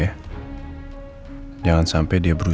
ya ada dong juga direma